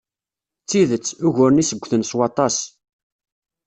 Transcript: D tidet, uguren-is ggten s waṭṭas.